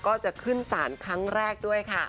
ก็จะขึ้นสารครั้งแรกด้วยค่ะ